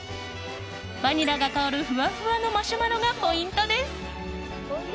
バニラが香る、ふわふわのマシュマロがポイントです。